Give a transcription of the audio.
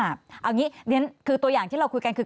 เอาอย่างนี้คือตัวอย่างที่เราคุยกันคือ